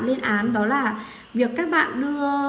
lên án đó là việc các bạn đưa